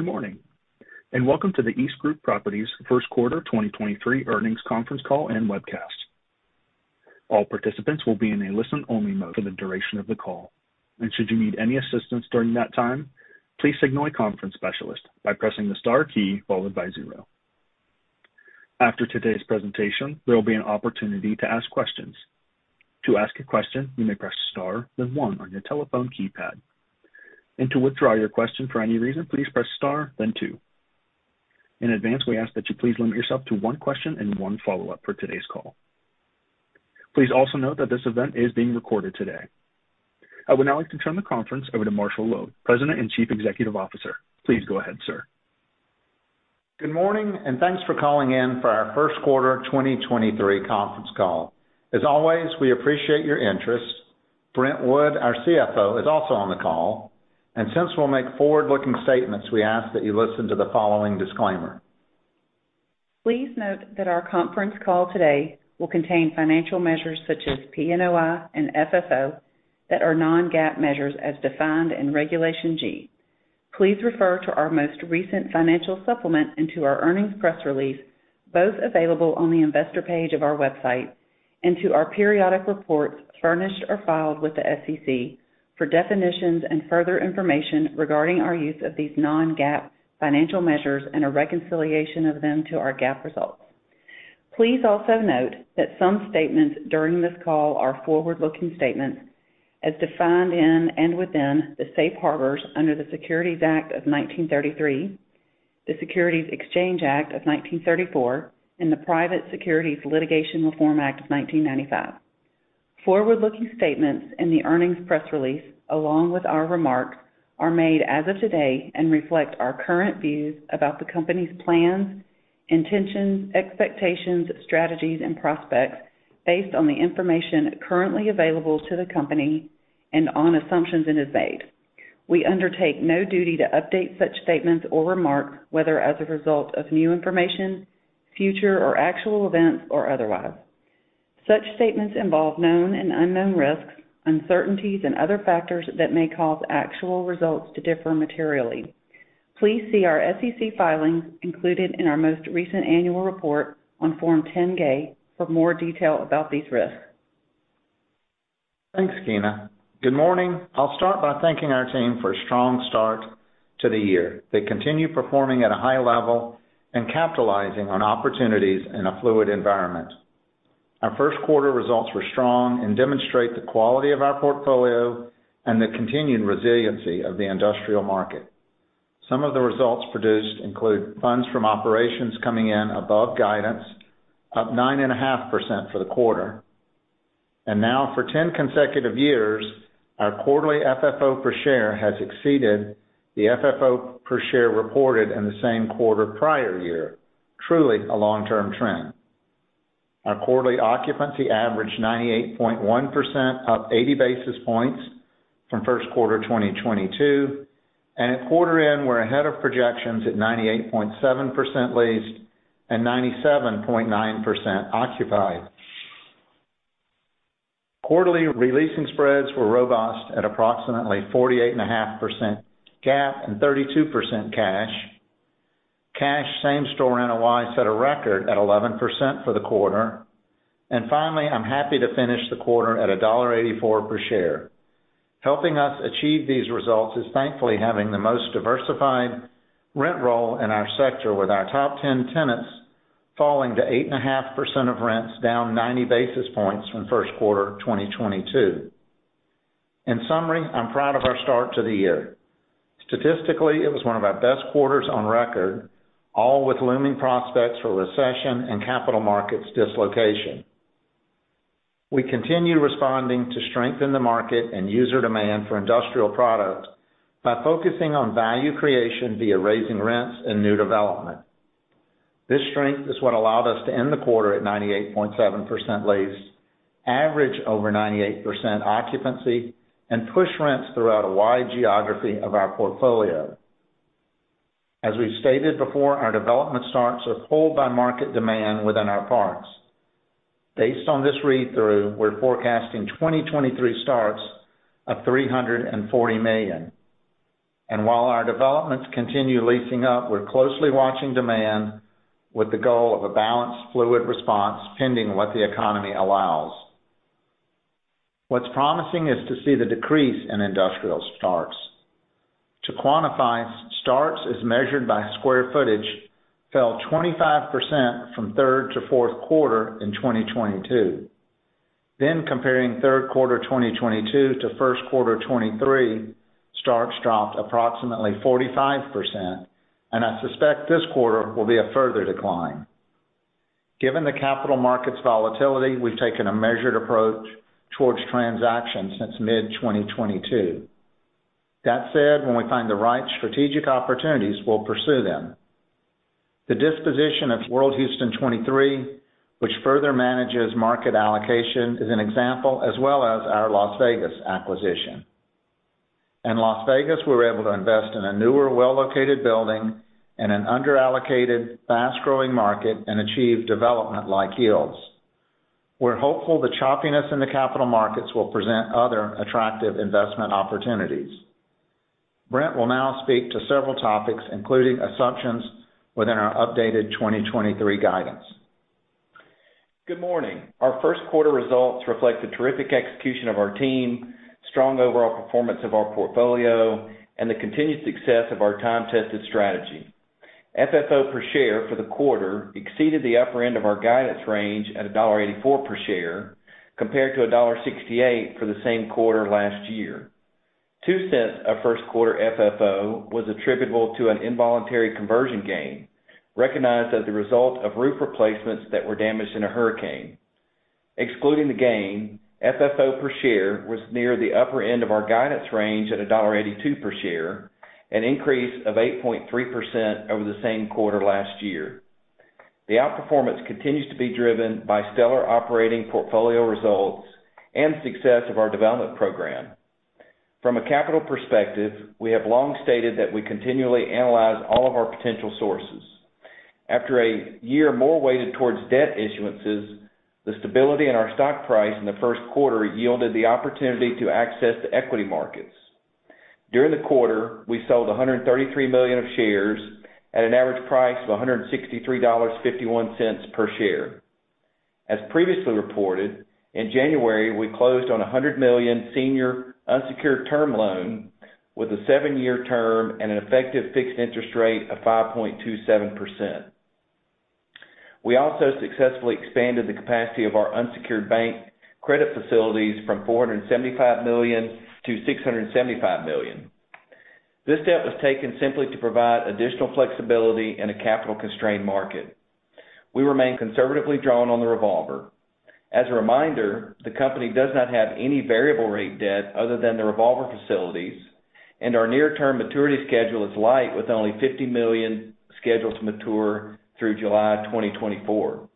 Good morning, and welcome to the EastGroup Properties Q1 2023 earnings conference call and webcast. All participants will be in a listen-only mode for the duration of the call. Should you need any assistance during that time, please signal a conference specialist by pressing the star key followed by zero. After today's presentation, there will be an opportunity to ask questions. To ask a question, you may press Star, then one on your telephone keypad. To withdraw your question for any reason, please press Star, then two. In advance, we ask that you please limit yourself to one question and one follow-up for today's call. Please also note that this event is being recorded today. I would now like to turn the conference over to Marshall Loeb, President and Chief Executive Officer. Please go ahead, sir. Good morning. Thanks for calling in for our Q1 2023 conference call. As always, we appreciate your interest. Brent Wood, our CFO, is also on the call, and since we'll make forward-looking statements, we ask that you listen to the following disclaimer. Please note that our conference call today will contain financial measures such as PNOI and FFO that are non-GAAP measures as defined in Regulation G. Please refer to our most recent financial supplement into our earnings press release, both available on the investor page of our website, and to our periodic reports furnished or filed with the SEC for definitions and further information regarding our use of these non-GAAP financial measures and a reconciliation of them to our GAAP results. Please also note that some statements during this call are forward-looking statements as defined in and within the safe harbors under the Securities Act of 1933, the Securities Exchange Act of 1934, and the Private Securities Litigation Reform Act of 1995. Forward-looking statements in the earnings press release, along with our remarks, are made as of today and reflect our current views about the company's plans, intentions, expectations, strategies, and prospects based on the information currently available to the company and on assumptions it has made. We undertake no duty to update such statements or remarks, whether as a result of new information, future or actual events, or otherwise. Such statements involve known and unknown risks, uncertainties, and other factors that may cause actual results to differ materially. Please see our SEC filings included in our most recent annual report on Form 10-K for more detail about these risks. Thanks, Keena. Good morning. I'll start by thanking our team for a strong start to the year. They continue performing at a high level and capitalizing on opportunities in a fluid environment. Our Q1 results were strong and demonstrate the quality of our portfolio and the continued resiliency of the industrial market. Some of the results produced include funds from operations coming in above guidance, up 9.5% for the quarter. Now for 10 consecutive years, our quarterly FFO per share has exceeded the FFO per share reported in the same quarter prior year. Truly a long-term trend. Our quarterly occupancy averaged 98.1%, up 80 basis points from Q1 2022, and at quarter end, we're ahead of projections at 98.7% leased and 97.9% occupied. Quarterly releasing spreads were robust at approximately 48.5% GAAP and 32% cash. Cash same-store NOI set a record at 11% for the quarter. Finally, I'm happy to finish the quarter at $1.84 per share. Helping us achieve these results is thankfully having the most diversified rent roll in our sector with our top 10 tenants falling to 8.5% of rents, down 90 basis points from Q1 2022. In summary, I'm proud of our start to the year. Statistically, it was one of our best quarters on record, all with looming prospects for recession and capital markets dislocation. We continue responding to strengthen the market and user demand for industrial product by focusing on value creation via raising rents and new development. This strength is what allowed us to end the quarter at 98.7% lease, average over 98% occupancy, and push rents throughout a wide geography of our portfolio. As we've stated before, our development starts are pulled by market demand within our parks. Based on this read-through, we're forecasting 2023 starts of $340 million. While our developments continue leasing up, we're closely watching demand with the goal of a balanced fluid response, pending what the economy allows. What's promising is to see the decrease in industrial starts. To quantify, starts, as measured by square footage, fell 25% from Q3 to Q4 in 2022. Comparing Q3 2022 to Q1 2023, starts dropped approximately 45%, I suspect this quarter will be a further decline. Given the capital market's volatility, we've taken a measured approach towards transactions since mid-2022. That said, when we find the right strategic opportunities, we'll pursue them. The disposition of World Houston 23, which further manages market allocation, is an example, as well as our Las Vegas acquisition. In Las Vegas, we were able to invest in a newer, well-located building in an under-allocated, fast-growing market and achieve development-like yields. We're hopeful the choppiness in the capital markets will present other attractive investment opportunities. Brent will now speak to several topics, including assumptions within our updated 2023 guidance. Good morning. Our Q1 results reflect the terrific execution of our team, strong overall performance of our portfolio, and the continued success of our time-tested strategy. FFO per share for the quarter exceeded the upper end of our guidance range at $1.84 per share, compared to $1.68 for the same quarter last year. $0.02 of Q1 FFO was attributable to an involuntary conversion gain, recognized as a result of roof replacements that were damaged in a hurricane. Excluding the gain, FFO per share was near the upper end of our guidance range at $1.82 per share, an increase of 8.3% over the same quarter last year. The outperformance continues to be driven by stellar operating portfolio results and success of our development program. From a capital perspective, we have long stated that we continually analyze all of our potential sources. After a year more weighted towards debt issuances, the stability in our stock price in the Q1 yielded the opportunity to access the equity markets. During the quarter, we sold 133 million of shares at an average price of $163.51 per share. As previously reported, in January, we closed on a $100 million senior unsecured term loan with a seven year term and an effective fixed interest rate of 5.27%. We also successfully expanded the capacity of our unsecured bank credit facilities from $475 million to $675 million. This step was taken simply to provide additional flexibility in a capital-constrained market. We remain conservatively drawn on the revolver. As a reminder, the company does not have any variable rate debt other than the revolver facilities, and our near-term maturity schedule is light, with only $50 million scheduled to mature through July 2024.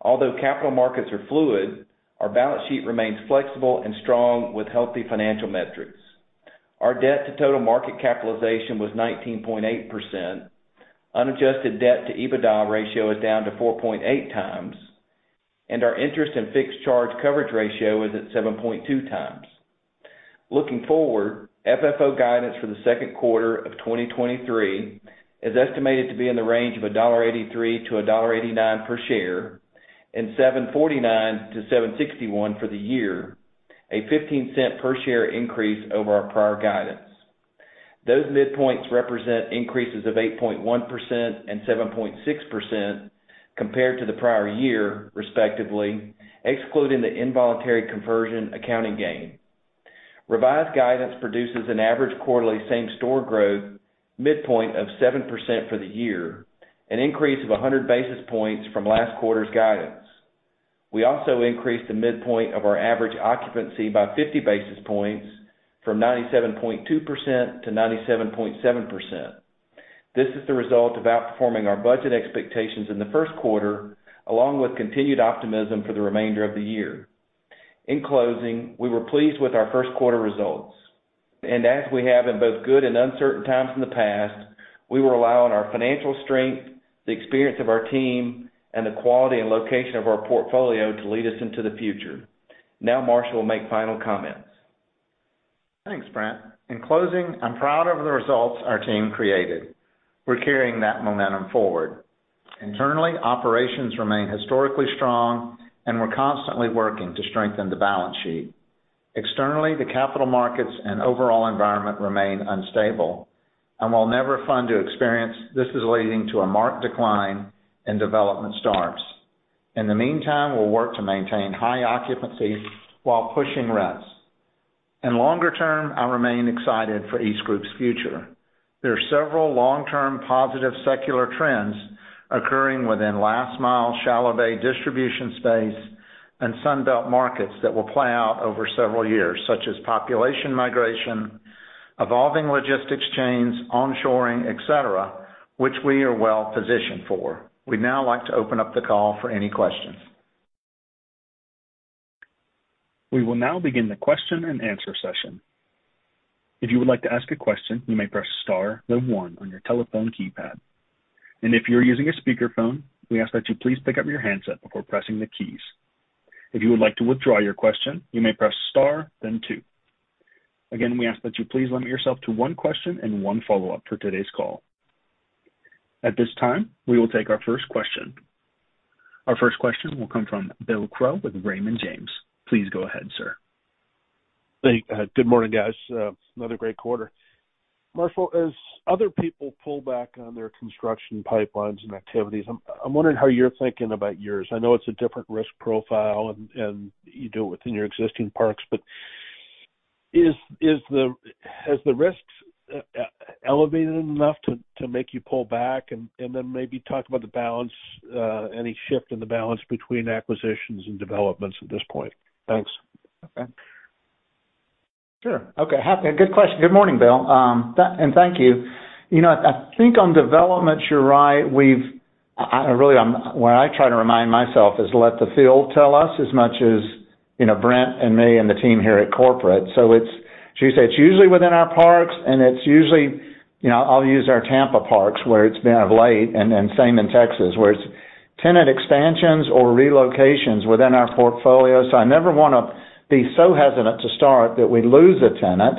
Although capital markets are fluid, our balance sheet remains flexible and strong with healthy financial metrics. Our debt to total market capitalization was 19.8%. Unadjusted debt to EBITDA ratio is down to 4.8x, and our interest in fixed charge coverage ratio is at 7.2x. Looking forward, FFO guidance for the Q2 of 2023 is estimated to be in the range of $1.83 to $1.89 per share and $7.49 to $7.61 for the year, a $0.15 per share increase over our prior guidance. Those midpoints represent increases of 8.1% and 7.6% compared to the prior year, respectively, excluding the involuntary conversion accounting gain. Revised guidance produces an average quarterly same-store growth midpoint of 7% for the year, an increase of 100 basis points from last quarter's guidance. We also increased the midpoint of our average occupancy by 50 basis points from 97.2% to 97.7%. This is the result of outperforming our budget expectations in the Q1, along with continued optimism for the remainder of the year. In closing, we were pleased with our Q1 results. As we have in both good and uncertain times in the past, we will rely on our financial strength, the experience of our team, and the quality and location of our portfolio to lead us into the future. Now Marshall will make final comments. Thanks, Brent. In closing, I'm proud of the results our team created. We're carrying that momentum forward. Internally, operations remain historically strong and we're constantly working to strengthen the balance sheet. Externally, the capital markets and overall environment remain unstable. While never fun to experience, this is leading to a marked decline in development starts. In the meantime, we'll work to maintain high occupancy while pushing rents. Longer term, I remain excited for EastGroup's future. There are several long-term positive secular trends occurring within last mile shallow-bay distribution space and Sun Belt markets that will play out over several years, such as population migration, evolving logistics chains, on-shoring, et cetera, which we are well positioned for. We'd now like to open up the call for any questions. We will now begin the Q&A session. If you would like to ask a question, you may press star then one on your telephone keypad. If you're using a speakerphone, we ask that you please pick up your handset before pressing the keys. If you would like to withdraw your question, you may press star then two. Again, we ask that you please limit yourself to one question and one follow-up for today's call. At this time, we will take our first question. Our first question will come from Bill Crow with Raymond James. Please go ahead, sir. Good morning, guys. Another great quarter. Marshall, as other people pull back on their construction pipelines and activities, I'm wondering how you're thinking about yours. I know it's a different risk profile and you do it within your existing parks. Has the risks elevated enough to make you pull back? Then maybe talk about the balance, any shift in the balance between acquisitions and developments at this point. Thanks. Okay. Sure. Okay. Happy. Good question. Good morning, Bill. Thank you. You know, I really, what I try to remind myself is let the field tell us as much as You know, Brent and me and the team here at corporate. She would say it's usually within our parks, and it's usually, you know, I'll use our Tampa parks where it's been of late and same in Texas, where it's tenant expansions or relocations within our portfolio. I never wanna be so hesitant to start that we lose a tenant.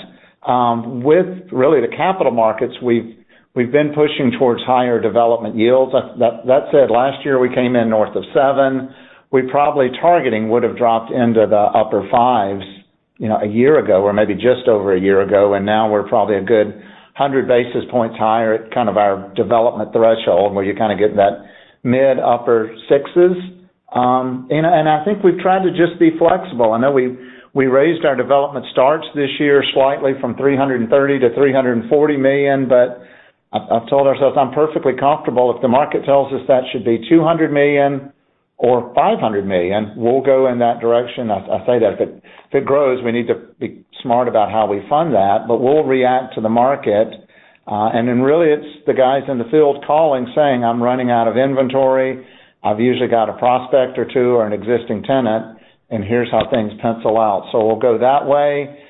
With really the capital markets, we've been pushing towards higher development yields. That said, last year we came in north of seven. We probably targeting would have dropped into the upper fives, you know, a year ago or maybe just over a year ago, and now we're probably a good 100 basis points higher at kind of our development threshold, where you kinda get in that mid-upper sixes. And I think we've tried to just be flexible. I know we raised our development starts this year slightly from $330 million to $340 million. I've told ourselves I'm perfectly comfortable if the market tells us that should be $200 million or $500 million, we'll go in that direction. I say that if it grows, we need to be smart about how we fund that, we'll react to the market. Really it's the guys in the field calling, saying, "I'm running out of inventory. I've usually got a prospect or two or an existing tenant, and here's how things pencil out." We'll go that way.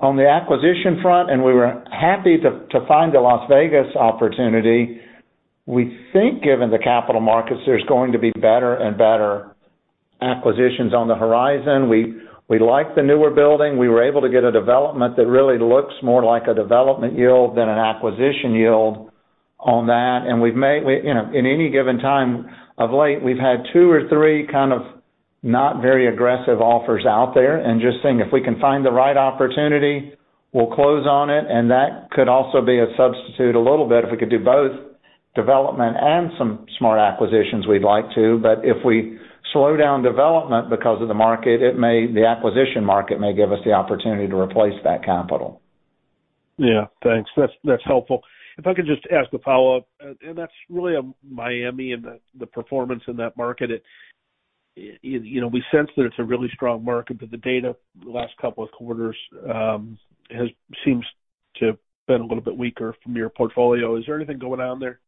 On the acquisition front, we were happy to find a Las Vegas opportunity. We think given the capital markets, there's going to be better and better acquisitions on the horizon. We like the newer building. We were able to get a development that really looks more like a development yield than an acquisition yield on that. In any given time of late, we've had two or three kind of not very aggressive offers out there. Just saying, if we can find the right opportunity, we'll close on it, and that could also be a substitute a little bit. If we could do both development and some smart acquisitions, we'd like to. If we slow down development because of the market, the acquisition market may give us the opportunity to replace that capital. Yeah, thanks. That's helpful. If I could just ask a follow-up, and that's really on Miami and the performance in that market. It, you know, we sense that it's a really strong market, but the data the last couple of quarters has seems to have been a little bit weaker from your portfolio. Is there anything going on there?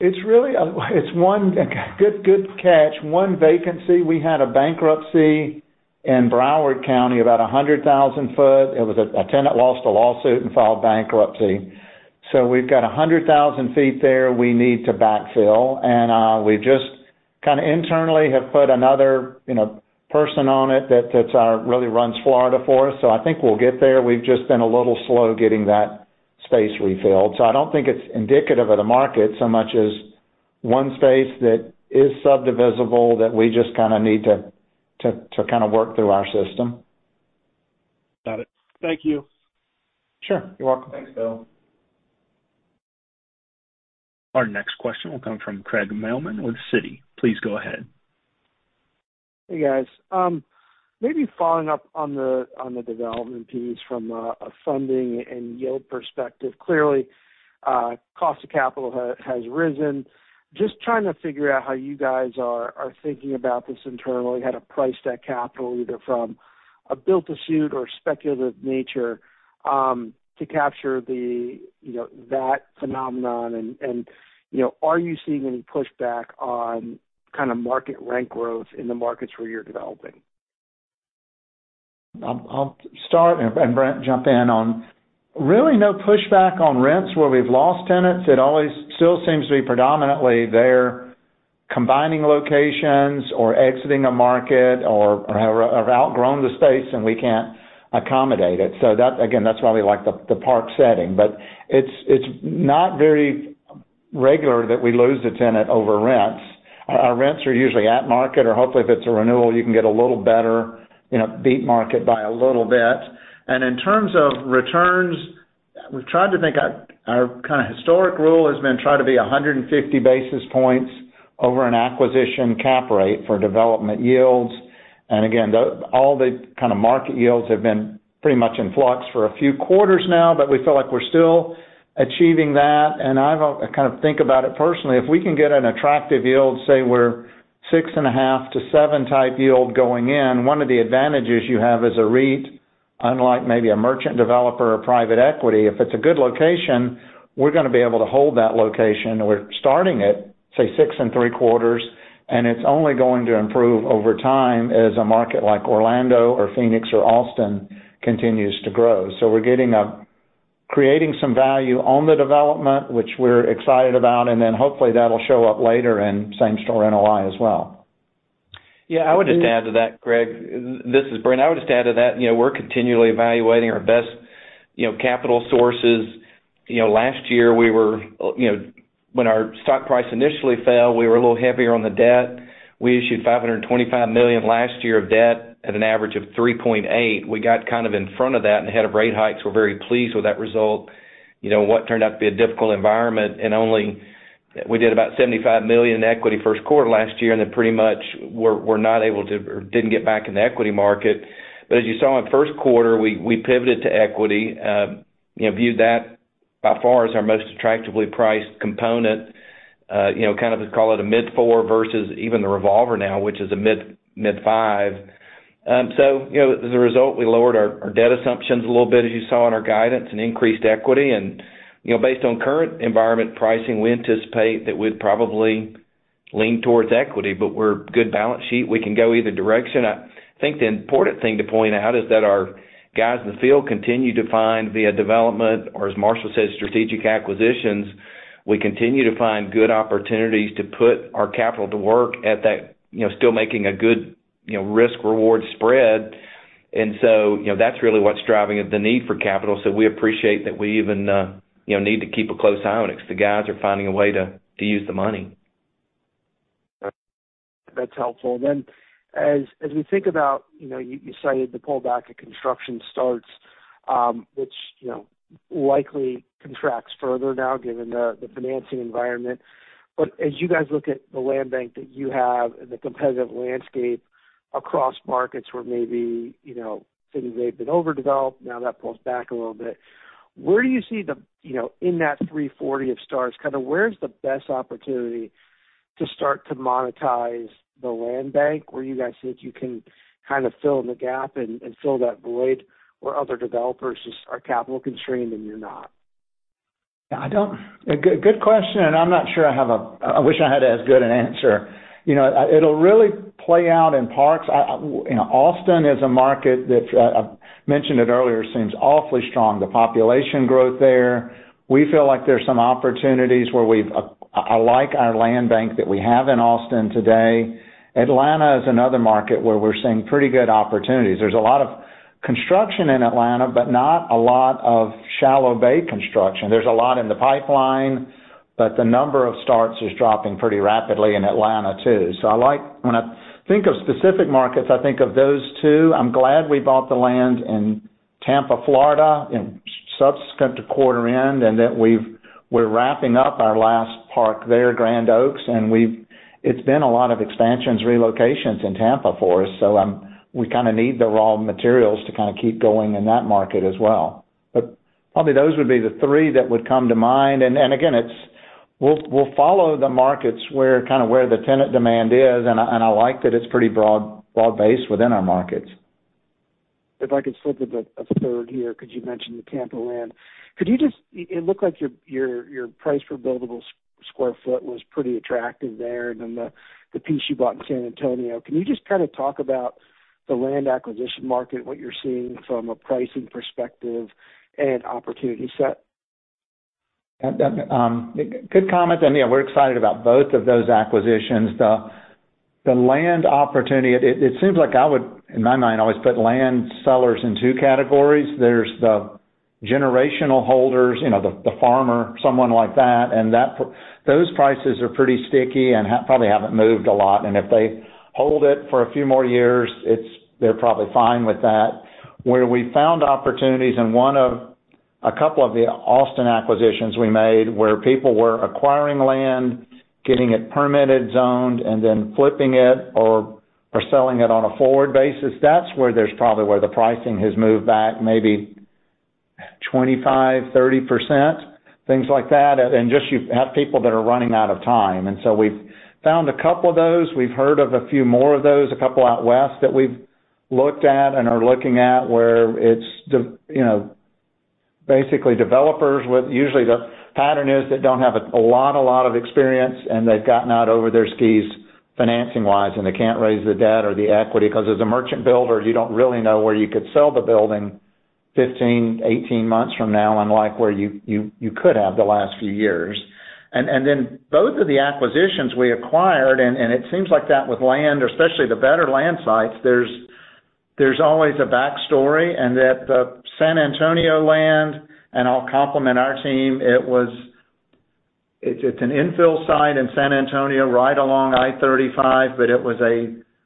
It's really one. Good catch. One vacancy. We had a bankruptcy in Broward County, about 100,000 sq ft. It was a tenant lost a lawsuit and filed bankruptcy. We've got 100,000 sq ft there we need to backfill. We just kinda internally have put another, you know, person on it that really runs Florida for us. I think we'll get there. We've just been a little slow getting that space refilled. I don't think it's indicative of the market so much as one space that is subdivisible that we just kinda need to kinda work through our system. Got it. Thank you. Sure. You're welcome. Thanks, Bill. Our next question will come from Craig Mailman with Citi. Please go ahead. Hey, guys. Maybe following up on the development piece from a funding and yield perspective. Clearly, cost of capital has risen. Just trying to figure out how you guys are thinking about this internally, how to price that capital either from a built to suit or speculative nature, to capture the, you know, that phenomenon. You know, are you seeing any pushback on kind of market rent growth in the markets where you're developing? I'll start and Brent jump in on. No pushback on rents where we've lost tenants. It always still seems to be predominantly they're combining locations or exiting a market or have outgrown the space, and we can't accommodate it. That, again, that's why we like the park setting. It's not very regular that we lose a tenant over rents. Our rents are usually at market or hopefully if it's a renewal, you can get a little better, you know, beat market by a little bit. In terms of returns, we've tried to think our kind of historic rule has been try to be 150 basis points over an acquisition cap rate for development yields. Again, all the kind of market yields have been pretty much in flux for a few quarters now, but we feel like we're still achieving that. I've kind of think about it personally, if we can get an attractive yield, say we're 6.5% to 7% type yield going in, one of the advantages you have as a REIT, unlike maybe a merchant developer or private equity, if it's a good location, we're gonna be able to hold that location. We're starting at, say, 6.75%, and it's only going to improve over time as a market like Orlando or Phoenix or Austin continues to grow. We're getting creating some value on the development, which we're excited about, and then hopefully that'll show up later and same store NOI as well. Yeah. I would just add to that, Craig Mailman. This is Brent Wood. I would just add to that, you know, we're continually evaluating our best, you know, capital sources. You know, last year we were, you know, when our stock price initially fell, we were a little heavier on the debt. We issued $525 million last year of debt at an average of 3.8%. We got kind of in front of that and ahead of rate hikes. We're very pleased with that result. You know, what turned out to be a difficult environment. We did about $75 million in equity Q1 last year, pretty much we're not able to or didn't get back in the equity market. As you saw in Q1, we pivoted to equity, you know, viewed that by far as our most attractively priced component. You know, kind of let's call it a mid-four versus even the revolver now, which is a mid-five. You know, as a result, we lowered our debt assumptions a little bit, as you saw in our guidance, and increased equity. And You know, based on current environment pricing, we anticipate that we'd probably lean towards equity, but we're good balance sheet. We can go either direction. I think the important thing to point out is that our guys in the field continue to find via development, or as Marshall said, strategic acquisitions. We continue to find good opportunities to put our capital to work at that, you know, still making a good, you know, risk-reward spread. So, you know, that's really what's driving the need for capital. We appreciate that we even, you know, need to keep a close eye on it because the guys are finding a way to use the money. That's helpful. As we think about, you know, you cited the pullback of construction starts, which, you know, likely contracts further now given the financing environment. As you guys look at the land bank that you have and the competitive landscape across markets where maybe, you know, cities may have been overdeveloped, now that pulls back a little bit. Where do you see the, you know, in that 340 of starts, kind of where's the best opportunity to start to monetize the land bank? Where you guys think you can kind of fill in the gap and fill that void where other developers just are capital constrained and you're not? Yeah, a good question, and I'm not sure I wish I had as good an answer. You know, it'll really play out in parks. I You know, Austin is a market that I mentioned it earlier, seems awfully strong. The population growth there, we feel like there's some opportunities. I like our land bank that we have in Austin today. Atlanta is another market where we're seeing pretty good opportunities. There's a lot of construction in Atlanta, but not a lot of shallow bay construction. There's a lot in the pipeline, but the number of starts is dropping pretty rapidly in Atlanta too. When I think of specific markets, I think of those two. I'm glad we bought the land in Tampa, Florida, in subsequent to quarter end, and that we're wrapping up our last park there, Grand Oaks. It's been a lot of expansions, relocations in Tampa for us. we kind of need the raw materials to kind of keep going in that market as well. probably those would be the three that would come to mind. again, we'll follow the markets where, kind of where the tenant demand is, and I like that it's pretty broad-based within our markets. If I could slip in a third here, because you mentioned the Tampa land. Could you just, it looked like your price per buildable square foot was pretty attractive there than the piece you bought in San Antonio. Can you just kind of talk about the land acquisition market, what you're seeing from a pricing perspective and opportunity set? Good comment. You know, we're excited about both of those acquisitions. The land opportunity, it seems like I would, in my mind, always put land sellers in two categories. There's the generational holders, you know, the farmer, someone like that, those prices are pretty sticky and probably haven't moved a lot. If they hold it for a few more years, they're probably fine with that. Where we found opportunities in one of a couple of the Austin acquisitions we made, where people were acquiring land, getting it permitted, zoned, and then flipping it or selling it on a forward basis. That's where there's probably where the pricing has moved back maybe 25%, 30%, things like that. Just you have people that are running out of time. We've found a couple of those. We've heard of a few more of those, a couple out west that we've looked at and are looking at, where it's you know, basically developers with. Usually, the pattern is they don't have a lot of experience, and they've gotten out over their skis financing-wise, and they can't raise the debt or the equity. Because as a merchant builder, you don't really know where you could sell the building 15, 18 months from now, unlike where you could have the last few years. Both of the acquisitions we acquired, and it seems like that with land, especially the better land sites, there's always a back story. That the San Antonio land, and I'll compliment our team, it's an infill site in San Antonio right along I-35,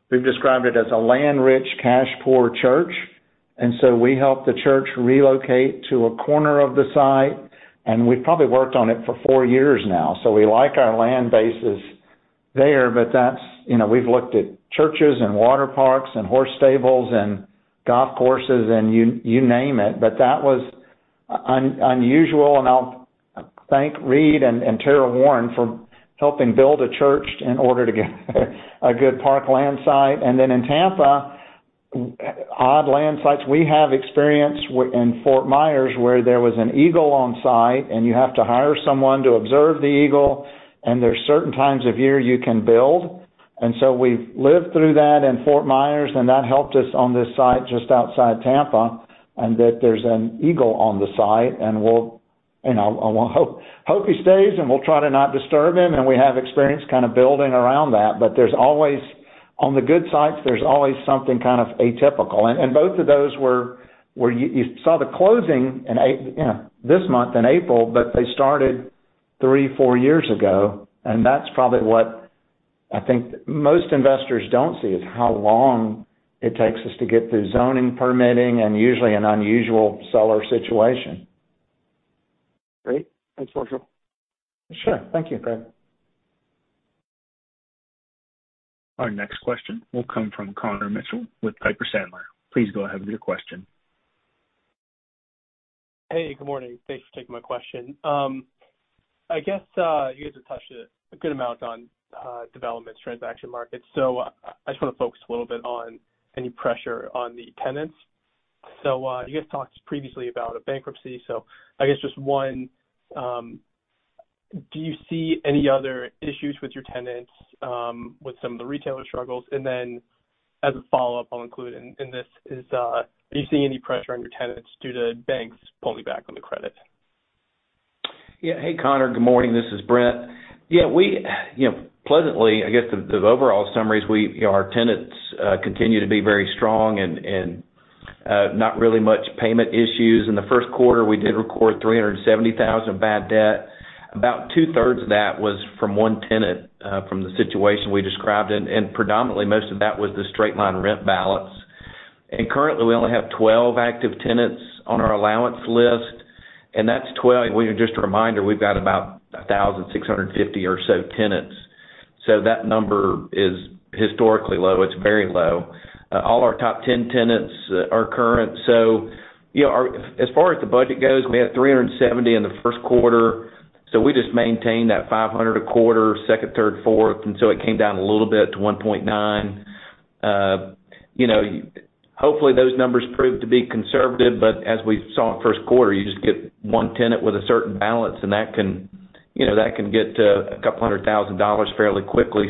we've described it as a land-rich, cash-poor church. We helped the church relocate to a corner of the site, and we've probably worked on it for four years now. We like our land bases there. That's, you know, we've looked at churches and water parks and horse stables and golf courses and you name it. That was unusual, and I'll thank Reid and Tara Warren for helping build a church in order to get a good parkland site. In Tampa, odd land sites. We have experience in Fort Myers, where there was an eagle on site, and you have to hire someone to observe the eagle, and there's certain times of year you can build. We've lived through that in Fort Myers, and that helped us on this site just outside Tampa, and that there's an eagle on the site, and we'll, and I'll hope he stays, and we'll try to not disturb him. We have experience kind of building around that. There's always. On the good sites, there's always something kind of atypical. Both of those were where you saw the closing in you know, this month in April, but they started three, four years ago. That's probably what I think most investors don't see, is how long it takes us to get through zoning, permitting, and usually an unusual seller situation. Great. Thanks, Marshall. Sure. Thank you, Craig. Our next question will come from Connor Mitchell with Piper Sandler. Please go ahead with your question. Hey, good morning. Thanks for taking my question. I guess, you guys have touched a good amount on developments transaction markets. I just wanna focus a little bit on any pressure on the tenants. You guys talked previously about a bankruptcy, I guess just one, do you see any other issues with your tenants, with some of the retailer struggles? As a follow-up, I'll include in this is, are you seeing any pressure on your tenants due to banks pulling back on the credit? Hey, Connor. Good morning. This is Brent. We, you know, pleasantly, I guess. You know, our tenants continue to be very strong and not really much payment issues. In the Q1, we did record $370,000 bad debt. About two-thirds of that was from one tenant, from the situation we described, and predominantly most of that was the straight-line rent balance. Currently, we only have 12 active tenants on our allowance list, and that's 12. Just a reminder, we've got about 1,650 or so tenants. That number is historically low. It's very low. All our top 10 tenants are current. You know, our. As far as the budget goes, we had 370 in the Q1. We just maintained that 500 a quarter, second, third, fourth. It came down a little bit to 1.9. you know, hopefully those numbers prove to be conservative. As we saw in Q1, you just get one tenant with a certain balance and that can, you know, that can get to $200,000 fairly quickly.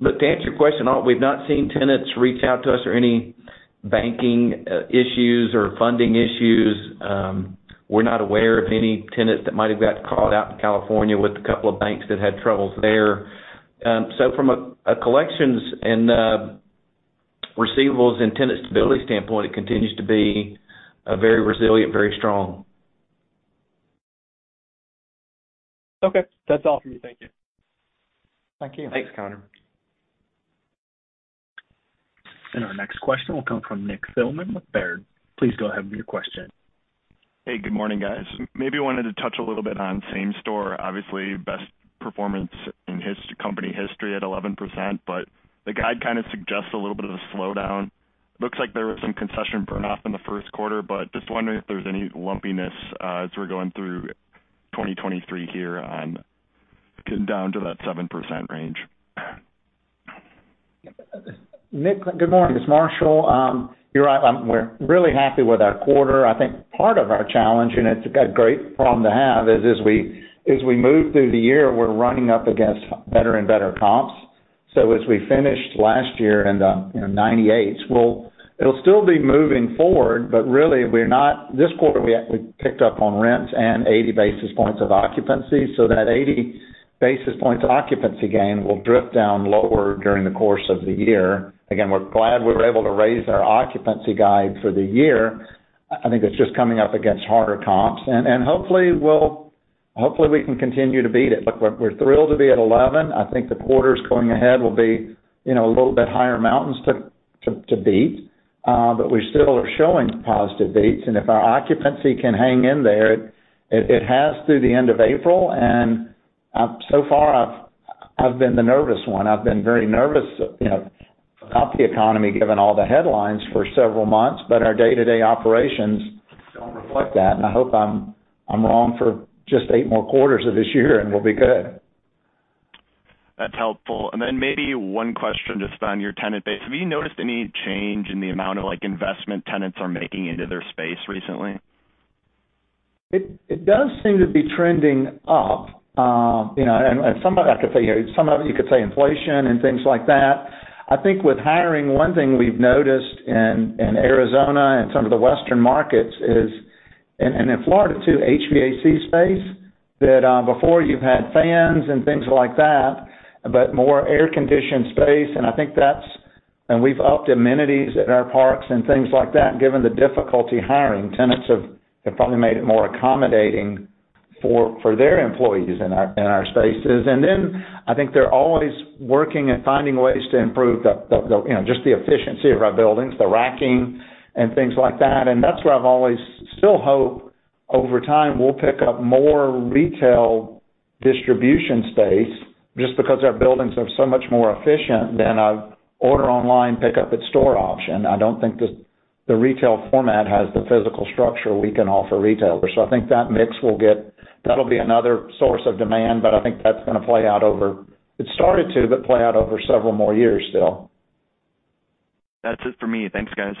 Look, to answer your question, all. We've not seen tenants reach out to us or any banking issues or funding issues. We're not aware of any tenant that might have got called out in California with a couple of banks that had troubles there. From a collections and receivables and tenant stability standpoint, it continues to be very resilient, very strong. Okay. That's all for me. Thank you. Thank you. Thanks, Connor. Our next question will come from Nick Thillman with Baird. Please go ahead with your question. Hey, good morning, guys. Maybe wanted to touch a little bit on same store. Obviously, best performance in company history at 11%, the guide kind of suggests a little bit of a slowdown. Looks like there was some concession burn off in the Q1, but just wondering if there's any lumpiness as we're going through 2023 here on getting down to that 7% range. Nick, good morning. It's Marshall. You're right. We're really happy with our quarter. I think part of our challenge, and it's a great problem to have, is as we, as we move through the year, we're running up against better and better comps. As we finished last year in the 98s, it'll still be moving forward. This quarter, we actually picked up on rents and 80 basis points of occupancy, so that 80 basis points of occupancy gain will drift down lower during the course of the year. Again, we're glad we were able to raise our occupancy guide for the year. I think it's just coming up against harder comps. Hopefully, we can continue to beat it. Look, we're thrilled to be at 11. I think the quarters going ahead will be, you know, a little bit higher mountains to beat, but we still are showing positive beats. If our occupancy can hang in there, it has through the end of April, and so far I've been the nervous one. I've been very nervous, you know, about the economy given all the headlines for several months, but our day-to-day operations don't reflect that, and I hope I'm wrong for just eight more quarters of this year and we'll be good. That's helpful. Maybe one question just on your tenant base. Have you noticed any change in the amount of, like, investment tenants are making into their space recently? It does seem to be trending up. You know, some of it you could say inflation and things like that. I think with hiring, one thing we've noticed in Arizona and some of the Western markets is, and in Florida too, HVAC space, that before you've had fans and things like that, but more air-conditioned space, and I think that's. We've upped amenities at our parks and things like that, given the difficulty hiring. Tenants have probably made it more accommodating for their employees in our spaces. I think they're always working and finding ways to improve the, you know, just the efficiency of our buildings, the racking and things like that. That's where I've always still hope over time we'll pick up more retail distribution space just because our buildings are so much more efficient than a order online pick up at store option. I don't think the retail format has the physical structure we can offer retailers. I think that mix will get, that'll be another source of demand, but I think that's gonna play out over, it started to, but play out over several more years still. That's it for me. Thanks, guys.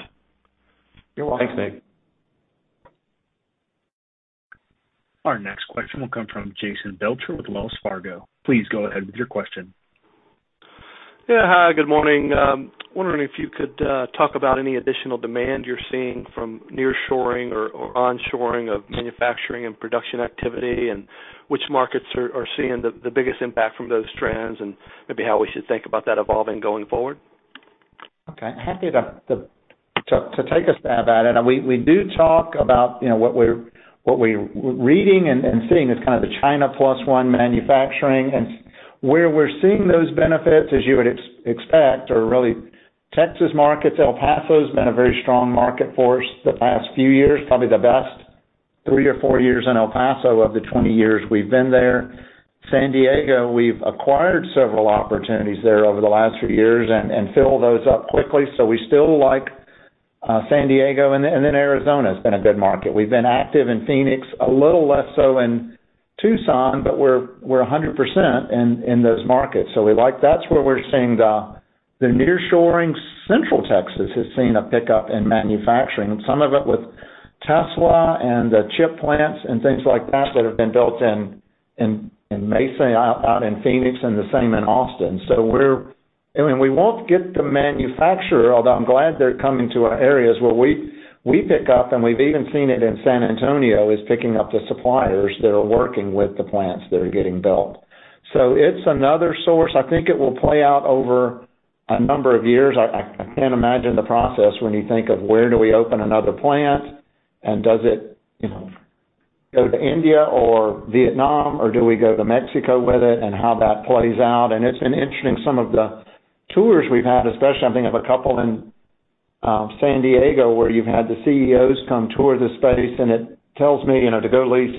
You're welcome. Thanks, Nick. Our next question will come from Jason Belcher with Wells Fargo. Please go ahead with your question. Yeah. Hi, good morning. wondering if you could talk about any additional demand you're seeing from nearshoring or onshoring of manufacturing and production activity, and which markets are seeing the biggest impact from those trends, and maybe how we should think about that evolving going forward. Okay. Happy to take a stab at it. We do talk about, you know, what we're reading and seeing as kind of the China plus one manufacturing. Where we're seeing those benefits, as you would expect, are really Texas markets. El Paso's been a very strong market for us the past few years, probably the best three or four years in El Paso of the 20 years we've been there. San Diego, we've acquired several opportunities there over the last few years and fill those up quickly. We still like San Diego, and then Arizona has been a good market. We've been active in Phoenix, a little less so in Tucson, but we're 100% in those markets. We like. That's where we're seeing the nearshoring. Central Texas has seen a pickup in manufacturing, some of it with Tesla and the chip plants and things like that have been built in Mesa, out in Phoenix and the same in Austin. I mean, we won't get the manufacturer, although I'm glad they're coming to our areas, where we pick up, and we've even seen it in San Antonio, is picking up the suppliers that are working with the plants that are getting built. It's another source. I think it will play out over a number of years. I can't imagine the process when you think of where do we open another plant and does it, you know, go to India or Vietnam, or do we go to Mexico with it and how that plays out. It's been interesting, some of the tours we've had, especially I'm thinking of a couple in San Diego, where you've had the CEOs come tour the space, and it tells me, you know, to go lease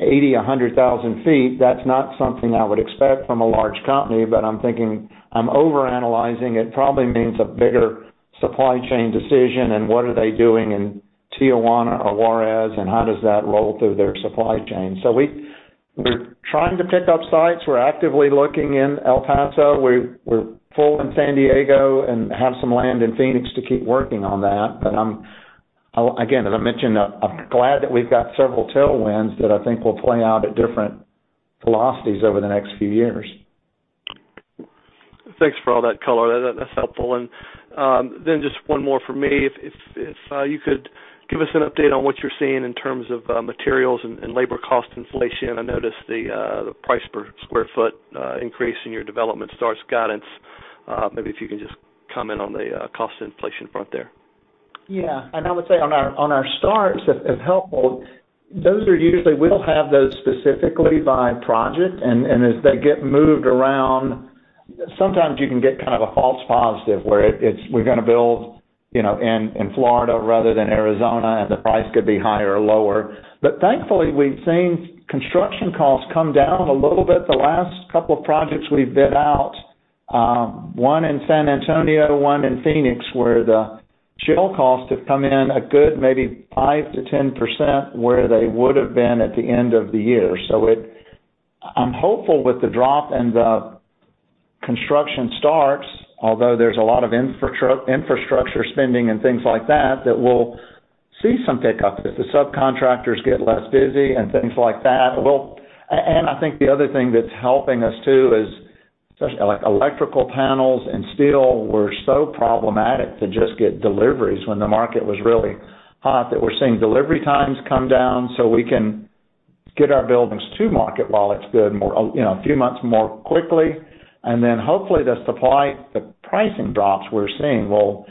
80,000, 100,000 feet, that's not something I would expect from a large company. I'm thinking I'm overanalyzing. It probably means a bigger supply chain decision and what are they doing in Tijuana or Juarez and how does that roll through their supply chain. We're trying to pick up sites. We're actively looking in El Paso. We're full in San Diego and have some land in Phoenix to keep working on that. Again, as I mentioned, I'm glad that we've got several tailwinds that I think will play out at different velocities over the next few years. Thanks for all that color. That's helpful. Then just one more from me. If you could give us an update on what you're seeing in terms of materials and labor cost inflation. I noticed the price per square foot increase in your development starts guidance. Maybe if you can just comment on the cost inflation front there. Yeah. I would say on our, on our starts, if helpful, those are usually. We'll have those specifically by project. As they get moved around, sometimes you can get kind of a false positive where it's we're gonna build, you know, in Florida rather than Arizona, and the price could be higher or lower. Thankfully, we've seen construction costs come down a little bit. The last couple of projects we've bid out, one in San Antonio, one in Phoenix, where the shell costs have come in a good maybe 5% to 10% where they would have been at the end of the year. I'm hopeful with the drop in the construction starts, although there's a lot of infrastructure spending and things like that we'll see some pickup if the subcontractors get less busy and things like that. I think the other thing that's helping us too is such, like, electrical panels and steel were so problematic to just get deliveries when the market was really hot, that we're seeing delivery times come down, so we can get our buildings to market while it's good more, you know, a few months more quickly. Hopefully, the supply, the pricing drops we're seeing will.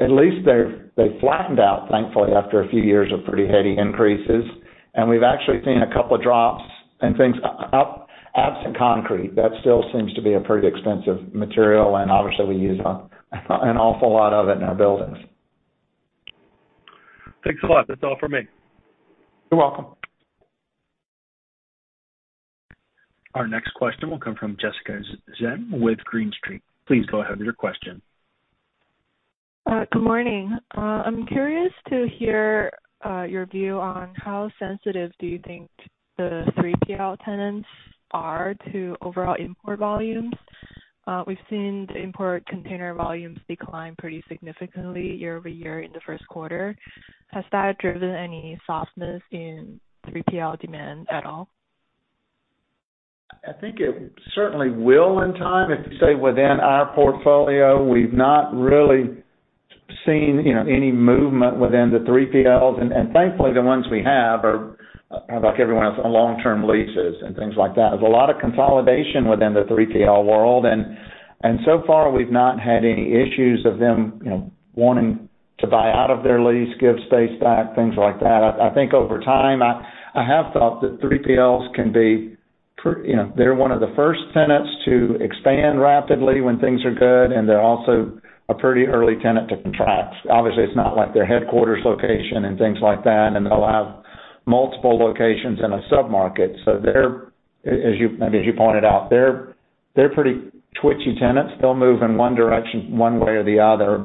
At least they've flattened out, thankfully, after a few years of pretty heady increases. We've actually seen a couple of drops and things up, absent concrete. That still seems to be a pretty expensive material, and obviously, we use an awful lot of it in our buildings. Thanks a lot. That's all for me. You're welcome. Our next question will come from Jessica Zhang with Green Street. Please go ahead with your question. Good morning. I'm curious to hear your view on how sensitive do you think the 3PL tenants are to overall import volumes? We've seen the import container volumes decline pretty significantly year-over-year in the Q1. Has that driven any softness in 3PL demand at all? I think it certainly will in time. If you say within our portfolio, we've not really seen, you know, any movement within the 3PLs. Thankfully, the ones we have are like everyone else, are long-term leases and things like that. There's a lot of consolidation within the 3PL world, so far we've not had any issues of them, you know, wanting to buy out of their lease, give space back, things like that. I think over time, I have thought that 3PLs can be You know, they're one of the first tenants to expand rapidly when things are good, and they're also a pretty early tenant to contract. Obviously, it's not like their headquarters location and things like that, and they'll have multiple locations in a sub-market. They're, as you I mean, as you pointed out, they're pretty twitchy tenants. They'll move in one direction one way or the other.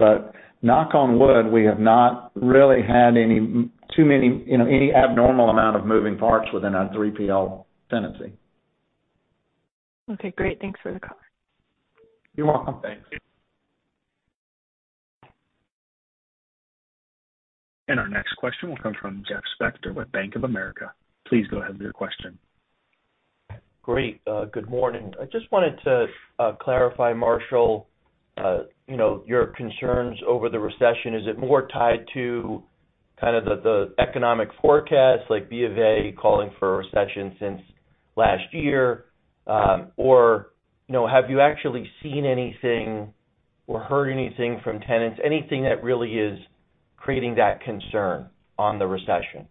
Knock on wood, we have not really had any, too many, you know, any abnormal amount of moving parts within our 3PL tenancy. Okay, great. Thanks for the call. You're welcome. Thanks. Our next question will come from Jeff Spector with Bank of America. Please go ahead with your question. Great. Good morning. I just wanted to clarify, Marshall, you know, your concerns over the recession. Is it more tied to kind of the economic forecast, like BofA calling for a recession since last year? You know, have you actually seen anything or heard anything from tenants, anything that really is creating that concern on the recession?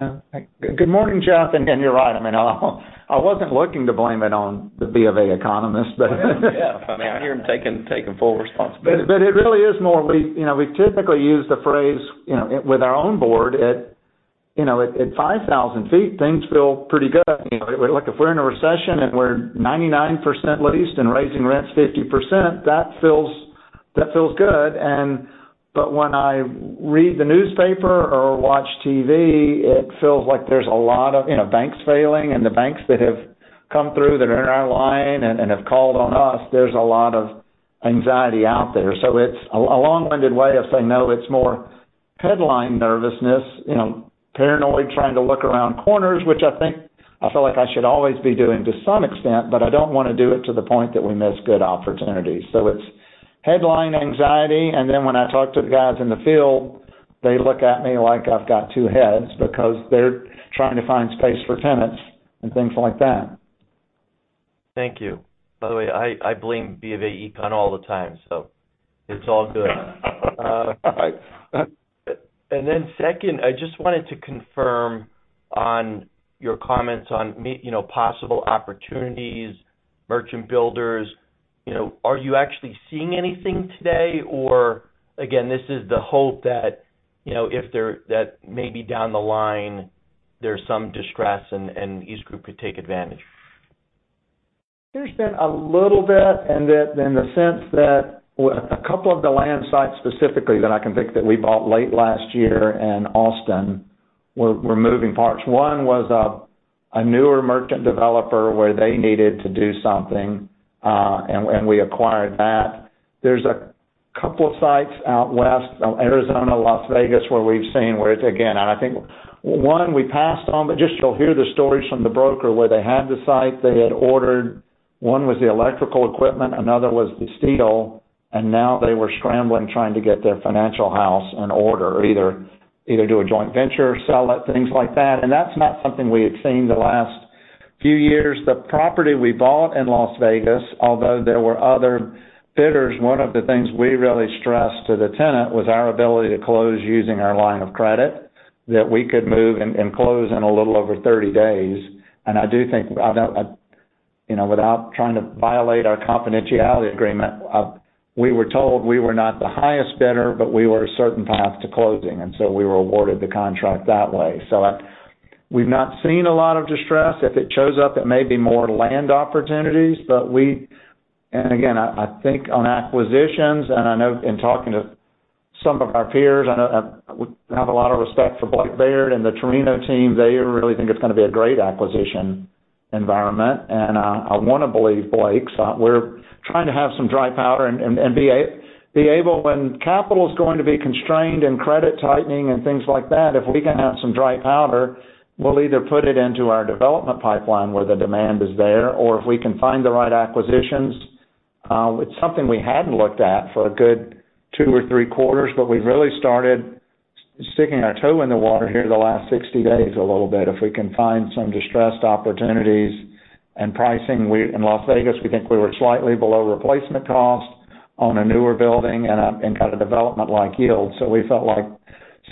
Yeah. Good morning, Jeff. You're right. I mean, I wasn't looking to blame it on the BofA economists. Yeah. I mean, I hear him taking full responsibility. It really is more, you know, we typically use the phrase, you know, with our own board at 5,000 feet, things feel pretty good. You know, like, if we're in a recession and we're 99% leased and raising rents 50%, that feels good. When I read the newspaper or watch TV, it feels like there's a lot of, you know, banks failing, and the banks that have come through that are in our line and have called on us, there's a lot of anxiety out there. It's a long-winded way of saying, "No, it's more headline nervousness." You know, paranoid, trying to look around corners, which I think I feel like I should always be doing to some extent, but I don't wanna do it to the point that we miss good opportunities. It's headline anxiety, and then when I talk to the guys in the field, they look at me like I've got two heads because they're trying to find space for tenants and things like that. Thank you. By the way, I blame BofA Econ all the time, so it's all good. Second, I just wanted to confirm on your comments on you know, possible opportunities, merchant builders. You know, are you actually seeing anything today? Again, this is the hope that, you know, maybe down the line, there's some distress and EastGroup could take advantage. There's been a little bit in the sense that with a couple of the land sites specifically that I can think that we bought late last year in Austin, we're moving parts. One was a newer merchant developer where they needed to do something, and we acquired that. There's a couple of sites out west, Arizona, Las Vegas, where we've seen where it's again. I think one we passed on, but just you'll hear the stories from the broker where they had the site, they had ordered, one was the electrical equipment, another was the steel, and now they were scrambling, trying to get their financial house in order. Either do a joint venture or sell it, things like that. That's not something we had seen the last few years. The property we bought in Las Vegas, although there were other bidders, one of the things we really stressed to the tenant was our ability to close using our line of credit, that we could move and close in a little over 30 days. I do think. I don't, you know, without trying to violate our confidentiality agreement, we were told we were not the highest bidder, but we were a certain path to closing, we were awarded the contract that way. We've not seen a lot of distress. If it shows up, it may be more land opportunities, but we. Again, I think on acquisitions, and I know in talking to some of our peers, I know, we have a lot of respect for Blake Baird and the Terreno team. They really think it's gonna be a great acquisition environment. I wanna believe Blake. So we're trying to have some dry powder and be able. When capital is going to be constrained and credit tightening and things like that, if we can have some dry powder, we'll either put it into our development pipeline where the demand is there. If we can find the right acquisitions, it's something we hadn't looked at for a good two or three quarters, but we've really started sticking our toe in the water here the last 60 days a little bit. If we can find some distressed opportunities and pricing. In Las Vegas, we think we were slightly below replacement cost on a newer building and kind of development like yield. We felt like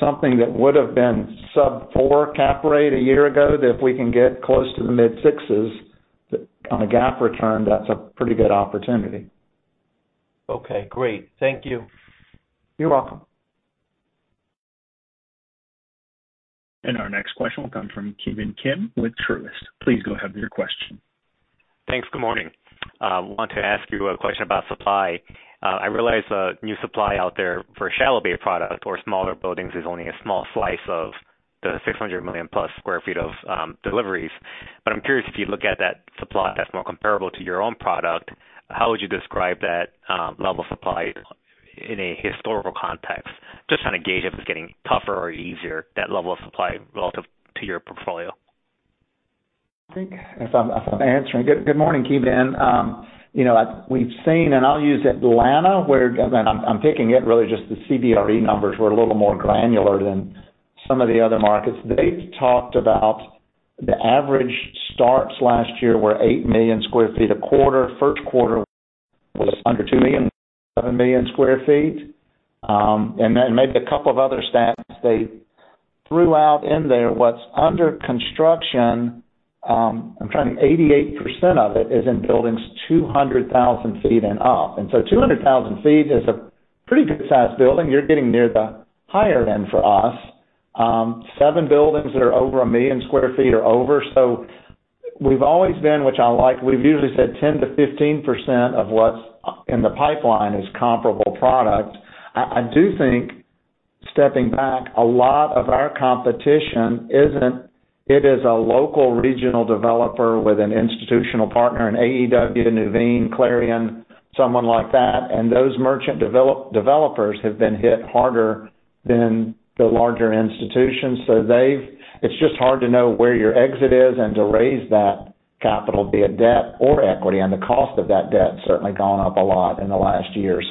something that would have been sub four cap rate a year ago, that if we can get close to the mid-sixes on a GAAP return, that's a pretty good opportunity. Okay, great. Thank you. You're welcome. Our next question will come from Ki Bin Kim with Truist. Please go ahead with your question. Thanks. Good morning. Want to ask you a question about supply. I realize, new supply out there for shallow bay product or smaller buildings is only a small slice of the 600 million+ sq ft of deliveries. I'm curious, if you look at that supply that's more comparable to your own product, how would you describe that level of supply in a historical context? Just trying to gauge if it's getting tougher or easier, that level of supply relative to your portfolio. I think if I'm answering. Good morning, Kevin. You know, we've seen, and I'll use Atlanta, where I'm picking it really just the CBRE numbers were a little more granular than some of the other markets. They talked about the average starts last year were eight million sq ft a quarter. Q1 was under two million, seven million sq ft. Maybe a couple of other stats they threw out in there, what's under construction. I'm trying. 88% of it is in buildings 200,000 feet and up. 200,000 feet is a pretty good sized building. You're getting near the higher end for us. seven buildings that are over a million sq ft or over. We've always been, which I like, we've usually said 10% to 15% of what's in the pipeline is comparable product. I do think, stepping back, a lot of our competition isn't. It is a local regional developer with an institutional partner, an AEW, Nuveen, Clarion, someone like that. Those merchant developers have been hit harder than the larger institutions. They've. It's just hard to know where your exit is and to raise that capital, be it debt or equity, and the cost of that debt certainly gone up a lot in the last year.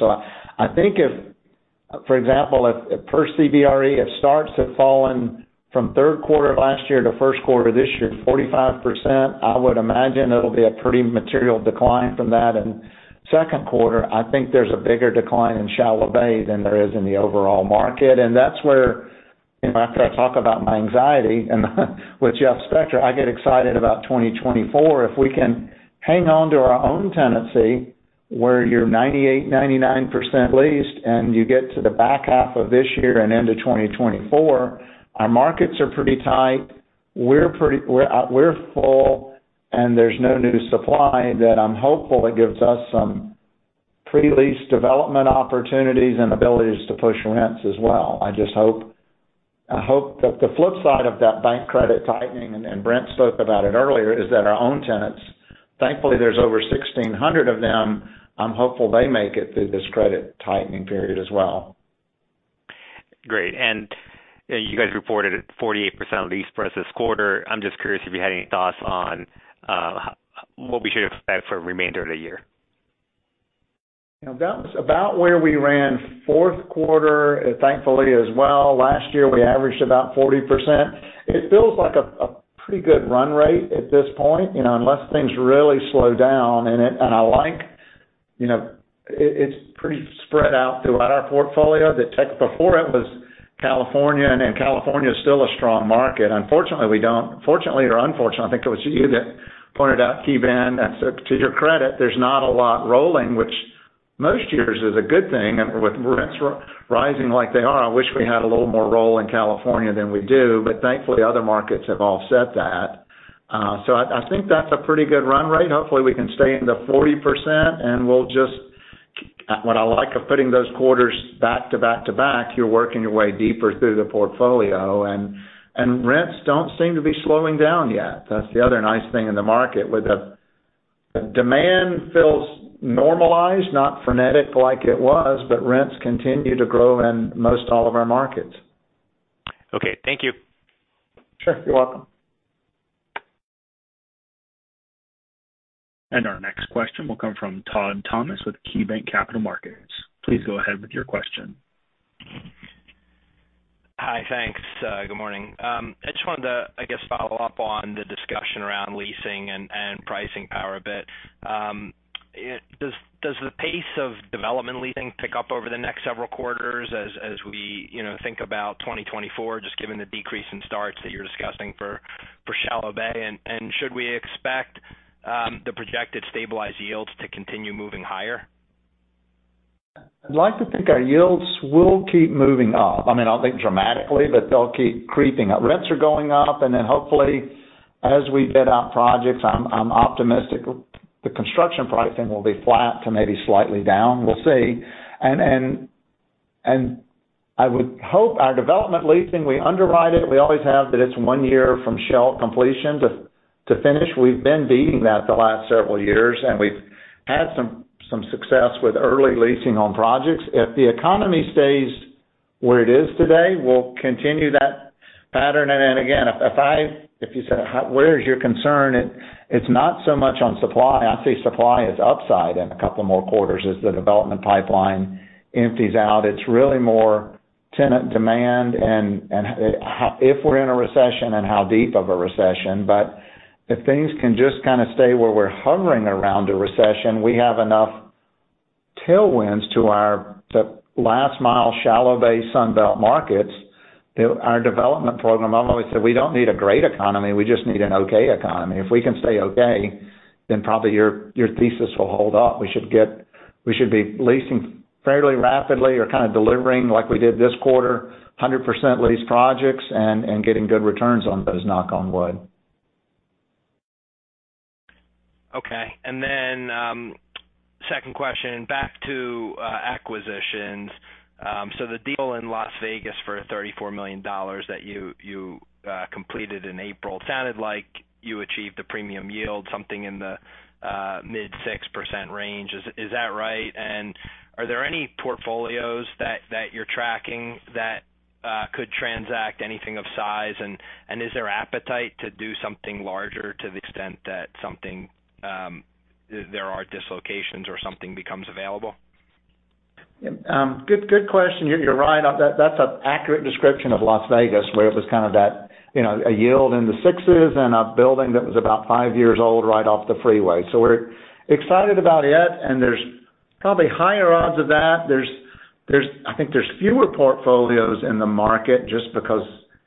I think if, for example, if per CBRE, if starts have fallen from Q3 of last year to Q1 this year, 45%, I would imagine it'll be a pretty material decline from that. Q2, I think there's a bigger decline in Shallow Bay than there is in the overall market. That's where, you know, after I talk about my anxiety and with Jeff Spector, I get excited about 2024. If we can hang on to our own tenancy-Where you're 98%, 99% leased, and you get to the back half of this year and into 2024, our markets are pretty tight. We're full, and there's no new supply that I'm hopeful it gives us some pre-lease development opportunities and abilities to push rents as well. I just hope that the flip side of that bank credit tightening, and Brent spoke about it earlier, is that our own tenants, thankfully, there's over 1,600 of them, I'm hopeful they make it through this credit tightening period as well. Great. You guys reported 48% lease for us this quarter. I'm just curious if you had any thoughts on what we should expect for remainder of the year. You know, that was about where we ran Q4, thankfully as well. Last year, we averaged about 40%. It feels like a pretty good run rate at this point, you know, unless things really slow down. I like, you know, it's pretty spread out throughout our portfolio. The tech before it was California is still a strong market. Unfortunately, fortunately or unfortunately, I think it was you that pointed out, KeyBanc, that's to your credit, there's not a lot rolling, which most years is a good thing. With rents rising like they are, I wish we had a little more roll in California than we do, but thankfully, other markets have offset that. I think that's a pretty good run rate. Hopefully, we can stay in the 40%, and we'll just what I like of putting those quarters back to back to back, you're working your way deeper through the portfolio and rents don't seem to be slowing down yet. That's the other nice thing in the market, with the demand feels normalized, not frenetic like it was, but rents continue to grow in most all of our markets. Okay. Thank you. Sure. You're welcome. Our next question will come from Todd Thomas with KeyBanc Capital Markets. Please go ahead with your question. Hi. Thanks. Good morning. I just wanted to, I guess, follow up on the discussion around leasing and pricing power a bit. Does the pace of development leasing pick up over the next several quarters as we, you know, think about 2024, just given the decrease in starts that you're discussing for Shallow Bay? Should we expect the projected stabilized yields to continue moving higher? I'd like to think our yields will keep moving up. I mean, I'll think dramatically, but they'll keep creeping up. Rents are going up. Hopefully, as we bid out projects, I'm optimistic the construction pricing will be flat to maybe slightly down. We'll see. I would hope our development leasing, we underwrite it, we always have, but it's one year from shell completion to finish. We've been beating that the last several years, and we've had some success with early leasing on projects. If the economy stays where it is today, we'll continue that pattern. Again, if you said, where is your concern? It's not so much on supply. I see supply as upside in two more quarters as the development pipeline empties out. It's really more tenant demand and, if we're in a recession and how deep of a recession. If things can just kinda stay where we're hovering around a recession, we have enough tailwinds to last mile Shallow Bay Sunbelt markets. Our development program, I've always said, we don't need a great economy, we just need an okay economy. If we can stay okay, then probably your thesis will hold up. We should be leasing fairly rapidly or kinda delivering like we did this quarter, 100% leased projects and getting good returns on those, knock on wood. Okay. Second question, back to acquisitions. The deal in Las Vegas for $34 million that you completed in April, sounded like you achieved a premium yield, something in the mid 6% range. Is that right? Are there any portfolios that you're tracking that could transact anything of size? Is there appetite to do something larger to the extent that something, there are dislocations or something becomes available? Good question. You're right. That's an accurate description of Las Vegas, where it was kind of that, you know, a yield in the sixes and a building that was about five years old right off the freeway. We're excited about it, and there's probably higher odds of that. I think there's fewer portfolios in the market just because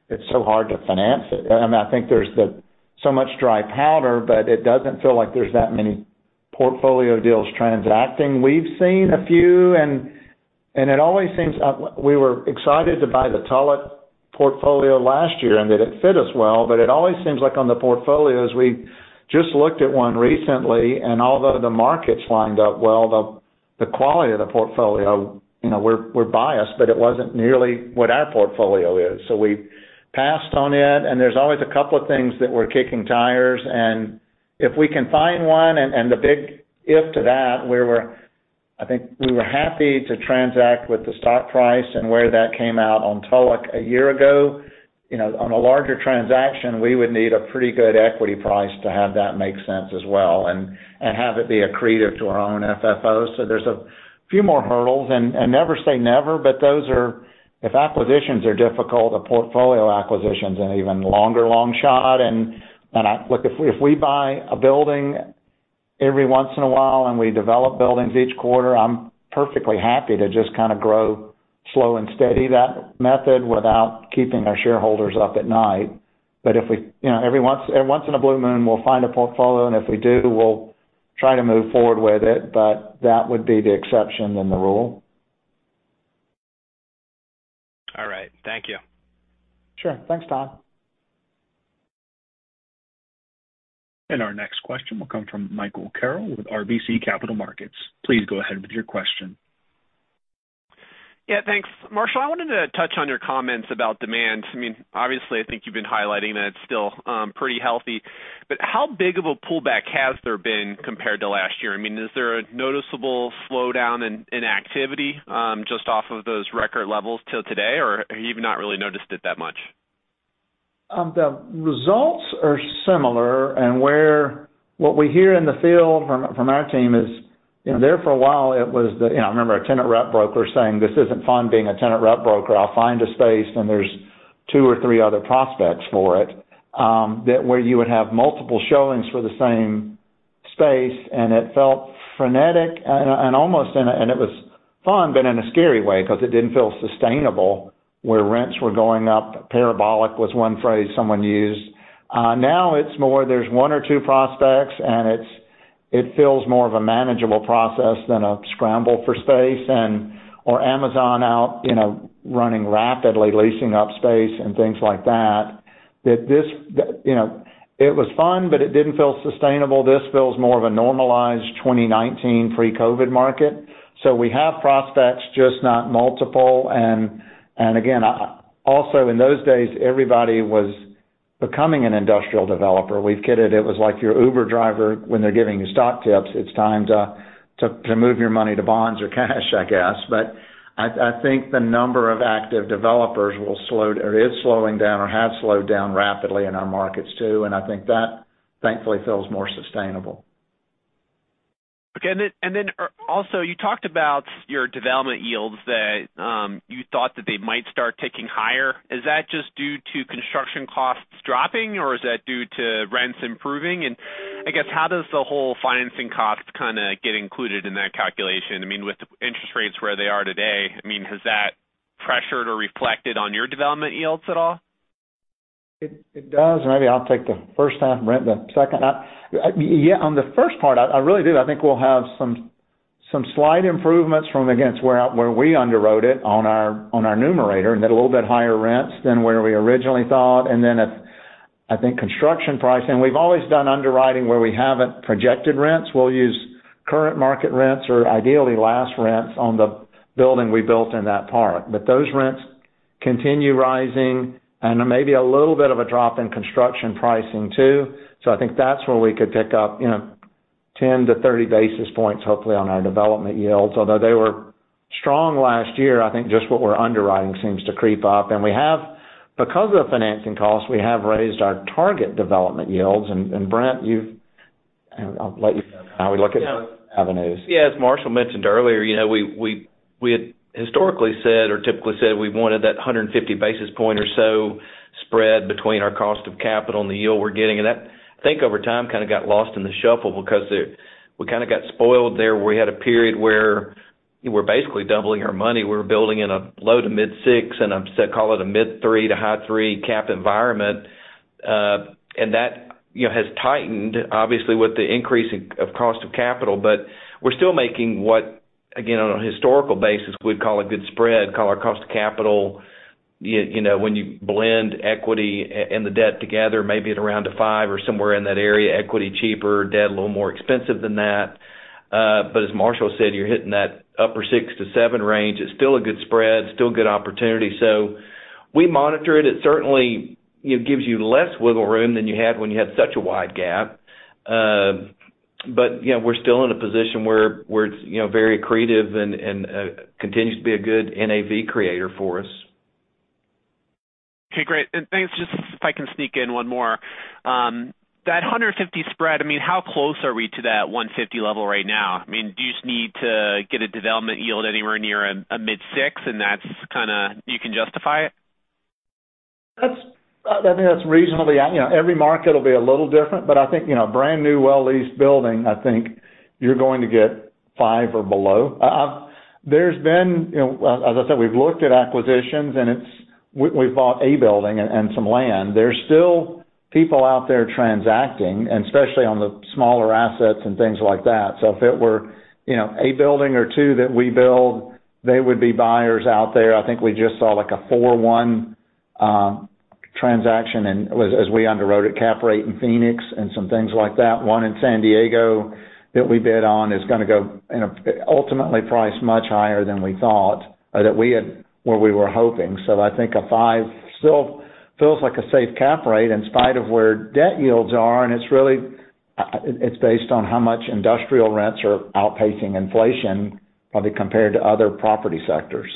it's so hard to finance it. I mean, I think there's so much dry powder, but it doesn't feel like there's that many portfolio deals transacting. We've seen a few, and we were excited to buy the Tulloch portfolio last year, and that it fit us well. It always seems like on the portfolios, we just looked at one recently, and although the markets lined up well, the quality of the portfolio, you know, we're biased, but it wasn't nearly what our portfolio is. We passed on it. There's always a couple of things that we're kicking tires. If we can find one, and the big if to that, I think we were happy to transact with the stock price and where that came out on Tulloch a year ago. You know, on a larger transaction, we would need a pretty good equity price to have that make sense as well and have it be accretive to our own FFO. There's a few more hurdles and never say never. If acquisitions are difficult, a portfolio acquisition's an even longer long shot. Look, if we, if we buy a building every once in a while and we develop buildings each quarter, I'm perfectly happy to just kinda grow slow and steady that method without keeping our shareholders up at night. If we, you know, every once in a blue moon, we'll find a portfolio, and if we do, we'll try to move forward with it, but that would be the exception than the rule. All right. Thank you. Sure. Thanks, Todd. Our next question will come from Michael Carroll with RBC Capital Markets. Please go ahead with your question. Yeah. Thanks. Marshall, I wanted to touch on your comments about demand. I mean, obviously, I think you've been highlighting that it's still pretty healthy. How big of a pullback has there been compared to last year? I mean, is there a noticeable slowdown in activity just off of those record levels till today, or you've not really noticed it that much? The results are similar, what we hear in the field from our team is, you know, there for a while it was the, you know, I remember a tenant rep broker saying, "This isn't fun being a tenant rep broker. I'll find a space, and there's two or three other prospects for it." That where you would have multiple showings for the same space, and it felt frenetic and almost and it was fun, but in a scary way because it didn't feel sustainable, where rents were going up. Parabolic was one phrase someone used. Now it's more there's one or two prospects, it feels more of a manageable process than a scramble for space or Amazon out, you know, running rapidly, leasing up space and things like that. That this, you know, it was fun, but it didn't feel sustainable. This feels more of a normalized 2019 pre-COVID market. We have prospects, just not multiple. Again, also in those days, everybody was becoming an industrial developer. We've kidded it was like your Uber driver when they're giving you stock tips, it's time to move your money to bonds or cash, I guess. I think the number of active developers is slowing down or has slowed down rapidly in our markets, too. I think that thankfully feels more sustainable. Okay. Also, you talked about your development yields that you thought that they might start ticking higher. Is that just due to construction costs dropping, or is that due to rents improving? I guess how does the whole financing cost kind of get included in that calculation? I mean, with interest rates where they are today, I mean, has that pressured or reflected on your development yields at all? It does. Maybe I'll take the first time, Brent, the second. Yeah, on the first part, I really do. I think we'll have some slight improvements from, again, it's where we underwrote it on our numerator and get a little bit higher rents than where we originally thought. If, I think, construction pricing. We've always done underwriting where we haven't projected rents. We'll use current market rents or ideally last rents on the building we built in that park. Those rents continue rising and maybe a little bit of a drop in construction pricing, too. I think that's where we could pick up, you know, 10 to 30 basis points, hopefully, on our development yields. Although they were strong last year, I think just what we're underwriting seems to creep up. Because of the financing costs, we have raised our target development yields. Brent, I'll let you know how we look at avenues. Yeah. As Marshall mentioned earlier, you know, we had historically said or typically said we wanted that 150 basis point or so spread between our cost of capital and the yield we're getting. That, I think over time, kind of got lost in the shuffle because we kind of got spoiled there. We're building in a low to mid six, call it a mid three to high three cap environment. That, you know, has tightened obviously with the increase in of cost of capital. We're still making what, again, on a historical basis, we'd call a good spread, call our cost of capital, you know, when you blend equity and the debt together, maybe at around a five or somewhere in that area, equity cheaper, debt a little more expensive than that. As Marshall said, you're hitting that upper six to seven range. It's still a good spread, still a good opportunity. We monitor it. It certainly, you know, gives you less wiggle room than you had when you had such a wide gap. You know, we're still in a position where we're, it's, you know, very creative and continues to be a good NAV creator for us. Okay, great. Thanks. Just if I can sneak in one more. That 150 spread, I mean, how close are we to that 150 level right now? I mean, do you just need to get a development yield anywhere near a mid 6%, and that's kinda, you can justify it? That's, I think that's reasonably. You know, every market will be a little different, but I think, you know, brand-new well-leased building, I think you're going to get five or below. There's been, you know, as I said, we've looked at acquisitions, and we've bought a building and some land. There's still people out there transacting, and especially on the smaller assets and things like that. If it were, you know, a building or two that we build, there would be buyers out there. I think we just saw like a four, one transaction and as we underwrote it, cap rate in Phoenix and some things like that. One in San Diego that we bid on is gonna go ultimately priced much higher than we thought that we were hoping. I think a 5 still feels like a safe cap rate in spite of where debt yields are, and it's really, it's based on how much industrial rents are outpacing inflation, probably compared to other property sectors.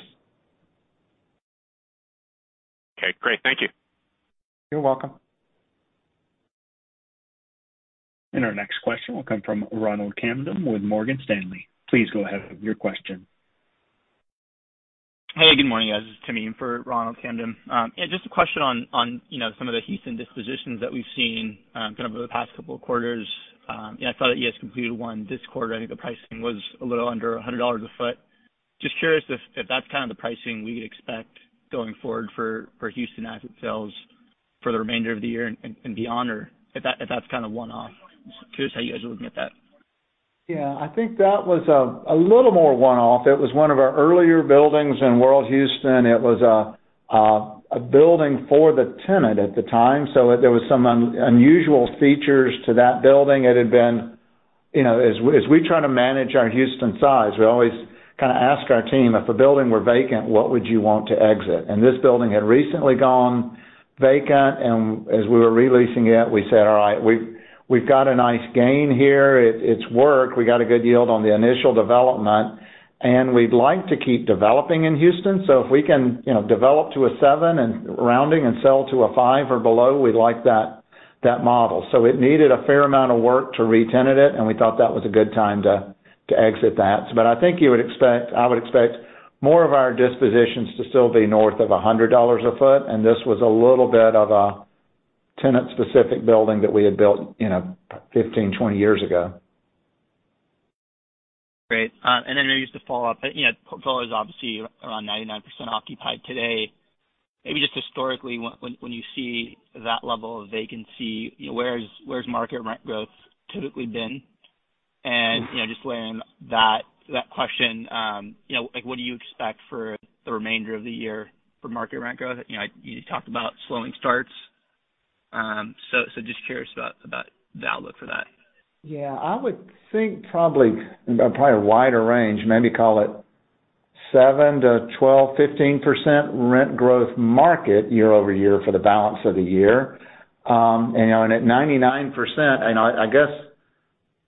Okay, great. Thank you. You're welcome. Our next question will come from Ronald Kamdem with Morgan Stanley. Please go ahead with your question. Hey, good morning, guys. This is Tamim for Ronald Kamdem. Just a question on, you know, some of the Heath and dispositions that we've seen, kind of over the past two quarters. I saw that you guys completed one this quarter. I think the pricing was a little under $100 a foot. Just curious if that's kind of the pricing we'd expect going forward for Houston asset sales for the remainder of the year and beyond, or if that's kind of one-off? Just curious how you guys are looking at that? Yeah, I think that was a little more one-off. It was one of our earlier buildings in World Houston. It was a building for the tenant at the time, so there were some unusual features to that building. It had been, you know, as we, as we try to manage our Houston size, we always kind of ask our team, "If a building were vacant, what would you want to exit?" This building had recently gone vacant, and as we were re-leasing it, we said, "All right, we've got a nice gain here. It's worked. We got a good yield on the initial development, and we'd like to keep developing in Houston. If we can, you know, develop to a seven and rounding and sell to a five or below, we'd like that model." It needed a fair amount of work to re-tenant it, and we thought that was a good time to exit that. I think you would expect. I would expect more of our dispositions to still be north of $100 a foot, and this was a little bit of a tenant-specific building that we had built, you know, 15, 20 years ago. Great. Just to follow up. You know, portfolio's obviously around 99% occupied today. Maybe just historically when you see that level of vacancy, you know, where's market rent growth typically been? You know, just layer in that question, you know, like, what do you expect for the remainder of the year for market rent growth? You know, you talked about slowing starts. Just curious about the outlook for that. Yeah. I would think probably a wider range, maybe call it 7% to 12%, 15% rent growth market year over year for the balance of the year. You know, at 99%. I guess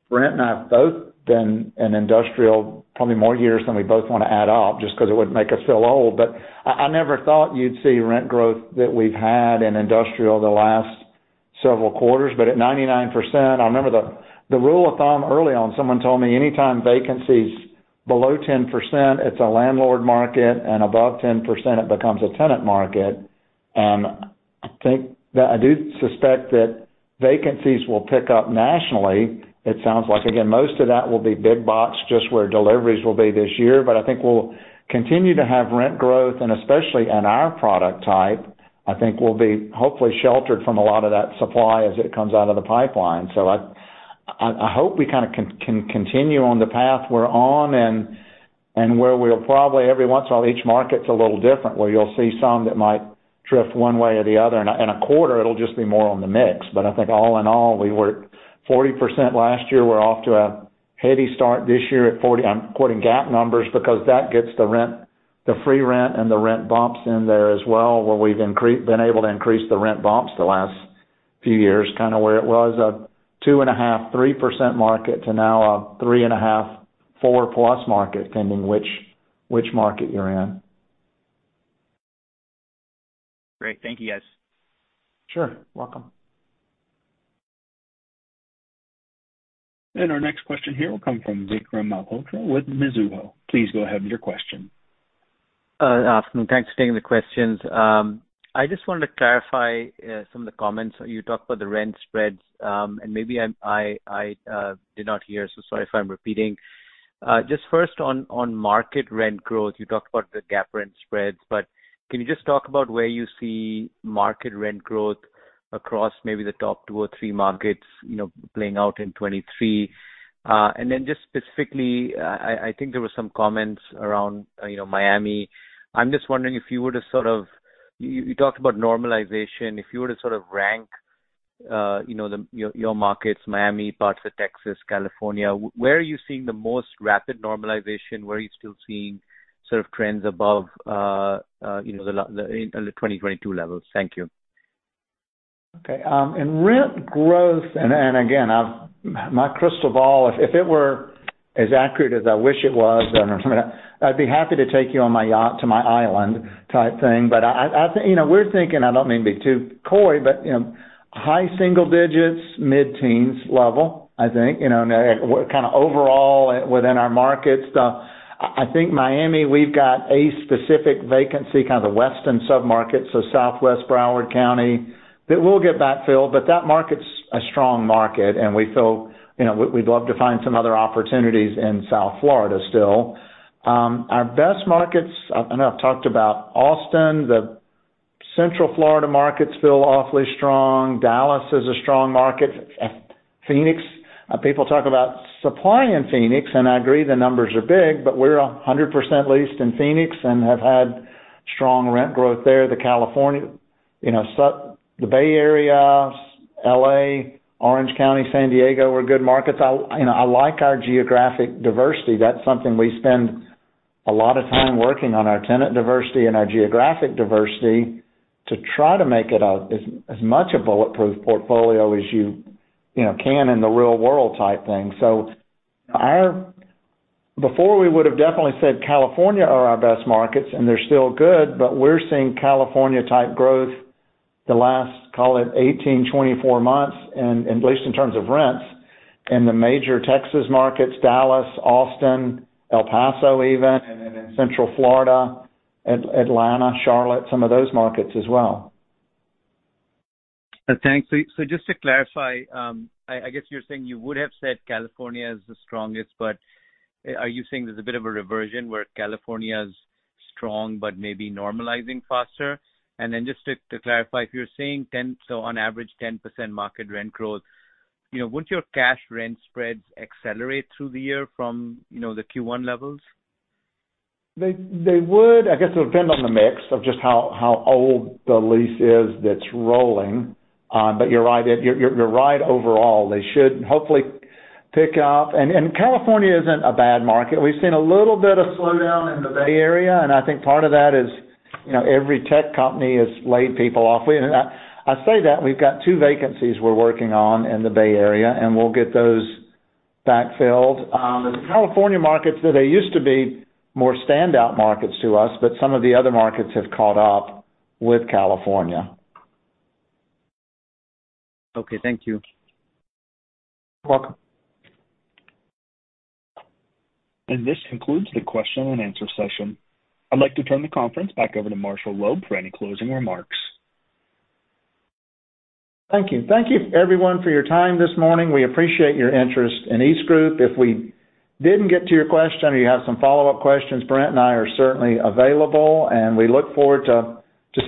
Brent and I have both been in industrial probably more years than we both wanna add up just 'cause it would make us feel old, but I never thought you'd see rent growth that we've had in industrial the last several quarters. At 99%, I remember the rule of thumb early on, someone told me any time vacancy's below 10% it's a landlord market, and above 10% it becomes a tenant market. I think I do suspect that vacancies will pick up nationally. It sounds like, again, most of that will be big box, just where deliveries will be this year. I think we'll continue to have rent growth and especially in our product type, I think we'll be hopefully sheltered from a lot of that supply as it comes out of the pipeline. I hope we can continue on the path we're on and where we'll probably every once in a while, each market's a little different, where you'll see some that might drift one way or the other. In a, in a quarter it'll just be more on the mix. I think all in all, we were 40% last year. We're off to a heady start this year at 40. I'm quoting GAAP numbers because that gets the rent, the free rent and the rent bumps in there as well, where we've been able to increase the rent bumps the last few years, kind of where it was a 2.5, 3% market to now a 3.5, 4+ market, depending which market you're in. Great. Thank you guys. Sure. Welcome. Our next question here will come from Vikram Malhotra with Mizuho. Please go ahead with your question. Afternoon. Thanks for taking the questions. I just wanted to clarify some of the comments. You talked about the rent spreads, and maybe I did not hear, so sorry if I'm repeating. Just first on market rent growth, you talked about the GAAP rent spreads, but can you just talk about where you see market rent growth across maybe the top two or three markets, you know, playing out in 2023? Just specifically, I think there were some comments around, you know, Miami. I'm just wondering if you were to sort of. You talked about normalization. If you were to sort of rank, you know, your markets, Miami, parts of Texas, California, where are you seeing the most rapid normalization? Where are you still seeing sort of trends above, you know, The 2022 levels? Thank you. Okay. In rent growth, again, my crystal ball, if it were as accurate as I wish it was, then I'd be happy to take you on my yacht to my island type thing. You know, we're thinking, I don't mean to be too coy, but, you know, high single digits, mid-teens level, I think. You know, we're kind of overall within our markets. I think Miami, we've got a specific vacancy, kind of the western submarket, so southwest Broward County, that will get backfilled, but that market's a strong market, and we feel, you know, we'd love to find some other opportunities in South Florida still. Our best markets, I know I've talked about Austin. The Central Florida markets feel awfully strong. Dallas is a strong market. Phoenix, people talk about supply in Phoenix, and I agree the numbers are big, but we're 100% leased in Phoenix and have had strong rent growth there. The California, you know, Bay Area, L.A., Orange County, San Diego were good markets. I, you know, I like our geographic diversity. That's something we spend a lot of time working on, our tenant diversity and our geographic diversity, to try to make it as much a bulletproof portfolio as you know, can in the real world type thing. Our... Before we would've definitely said California are our best markets, and they're still good, but we're seeing California type growth the last, call it 18, 24 months, and at least in terms of rents, in the major Texas markets, Dallas, Austin, El Paso even, and then in Central Florida, Atlanta, Charlotte, some of those markets as well. Thanks. Just to clarify, you're saying you would have said California is the strongest, but are you saying there's a bit of a reversion where California's strong but maybe normalizing faster? Then just to clarify, if you're saying 10, so on average 10% market rent growth, you know, would your cash rent spreads accelerate through the year from, you know, the Q1 levels? They would. I guess it would depend on the mix of just how old the lease is that's rolling. You're right. You're right overall. They should hopefully pick up. California isn't a bad market. We've seen a little bit of slowdown in the Bay Area, and I think part of that is, you know, every tech company has laid people off. I say that, we've got two vacancies we're working on in the Bay Area, and we'll get those backfilled. The California markets, they used to be more standout markets to us, but some of the other markets have caught up with California. Okay. Thank you. You're welcome. This concludes the Q&A session. I'd like to turn the conference back over to Marshall Loeb for any closing remarks. Thank you. Thank you everyone for your time this morning. We appreciate your interest in EastGroup. If we didn't get to your question or you have some follow-up questions, Brent and I are certainly available, and we look forward to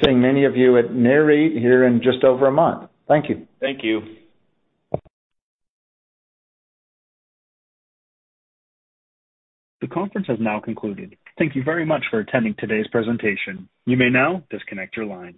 seeing many of you at Nareit here in just over a month. Thank you. Thank you. The conference has now concluded. Thank you very much for attending today's presentation. You may now disconnect your lines.